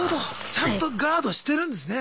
ちゃんとガードしてるんですね。